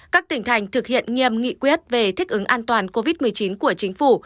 các tỉnh thành thực hiện nghiêm nghị quyết về thích ứng an toàn covid một mươi chín của chính phủ